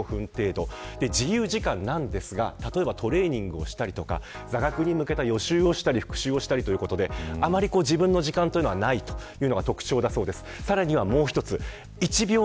自由時間なんですが、例えばトレーニングをしたり座学に向けた予習や復習をしたりということであまり自分の時間がないというのが特徴だそうです。